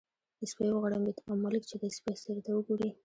سپی وغړمبېد او ملک چې د سپي څېرې ته وګوري.